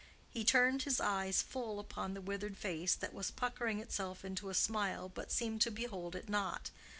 He turned his eyes full upon the withered face that was puckering itself into a smile, but seemed to behold it not.